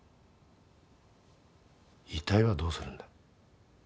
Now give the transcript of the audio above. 遺体はどうするんだ。